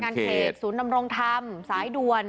สำนักการเขตศูนย์ดำรงธรรมสายดวน